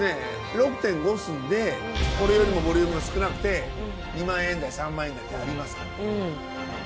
６．５寸でこれよりもボリュームが少なくて２万円台３万円台ってありますから。